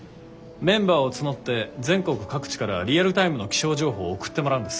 メンバーを募って全国各地からリアルタイムの気象情報を送ってもらうんです。